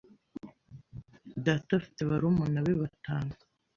Data afite barumuna be batanu.